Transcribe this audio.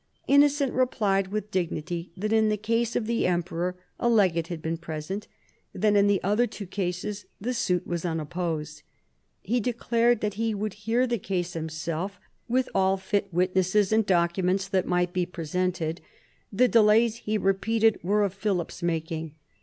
Innocent replied with dignity that in the case of the emperor a legate had been present, that in the two other cases the suit was unopposed. He declared that he would hear the case himself, with all fit wit nesses and documents that might be presented. The delays, he repeated, were of Philip's making.